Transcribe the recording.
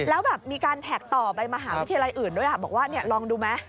แล้วแบบมีการแท็กต่อไปมหาวิทยาลัยอื่นด้วยบอกว่าลองดูไหม